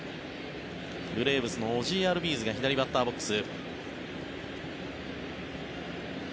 ブレーブスのオジー・アルビーズが左バッターボックス。